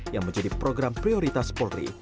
yang menjadi program prioritas polri